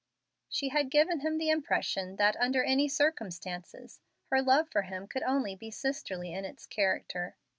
She had given him the impression that, under any circumstances, her love for him could only be sisterly in its character.